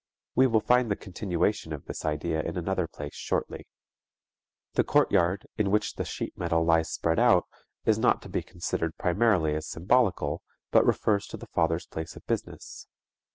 We will find the continuation of this idea in another place shortly. The courtyard, in which the sheet metal lies spread out, is not to be considered primarily as symbolical but refers to the father's place of business.